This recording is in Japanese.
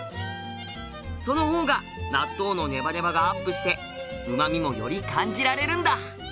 その方が納豆のネバネバがアップして旨味もより感じられるんだ。